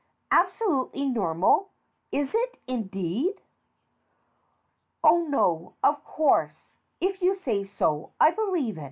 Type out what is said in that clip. Absolutely normal? Is it, indeed? Oh, no. Of course, if you say so, I believe ft.